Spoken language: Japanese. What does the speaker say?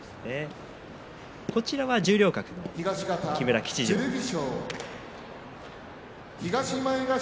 こちらは十両格の木村吉二郎です。